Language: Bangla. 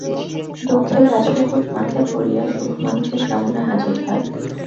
দুঃখের রাজমুকুট মাথায় পরিয়া সুখ মানুষের সামনে হাজির হয়।